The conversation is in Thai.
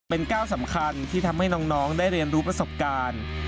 เป็นก้าวสำคัญที่ทำให้น้องได้เรียนรู้ประสบการณ์